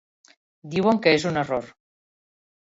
Diuen que és un error.